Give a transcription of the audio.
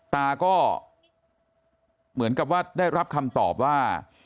ตาก็เหมือนกับว่าได้รับคำตอบว่า